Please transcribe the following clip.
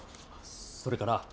それから。